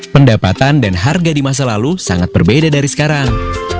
pendapatan dan harga di masa lalu sangat berbeda dari sekarang